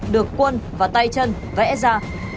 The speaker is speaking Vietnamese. được quân và tay chân vẽ ra